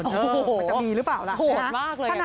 มันจะมีหรือเปล่าล่ะโหดมากเลย